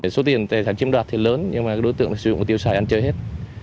số tiền tài sản chiếm đoạn thì lớn nhưng đối tượng sử dụng tiêu sài ăn chơi hết